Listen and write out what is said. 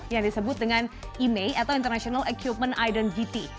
yang disebut dengan imei atau international acupoint identity